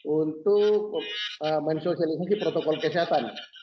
untuk mensosialisasi protokol kesehatan